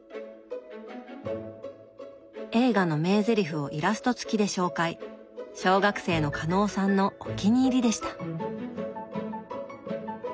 映画の名ゼリフをイラストつきで紹介小学生の加納さんのお気に入りでした。